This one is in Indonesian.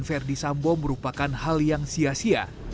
dan menunjukkan verdi sambo merupakan hal yang sia sia